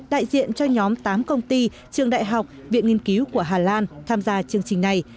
đại diện cho nhóm tám công ty trường đại học viện nghiên cứu của hà lan tham gia chương trình này